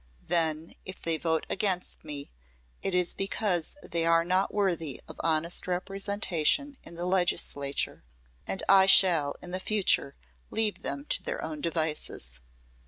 Then, if they vote against me, it is because they are not worthy of honest representation in the Legislature, and I shall in the future leave them to their own devices."